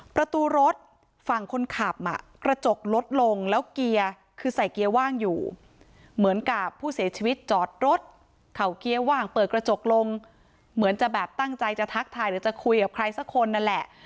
ประตูรถฝั่งคนขับกระจกลดลงแล้วเกียร์คือใส่เกียร์ว่างอยู่เหมือนกับผู้เสียชีวิตจอดรถเข่าเกียร์ว่างเปิดกระจกลงเหมือนจะแบบตั้งใจจะทักทายหรือจะคุยกับใครสักคนนั่นแหละ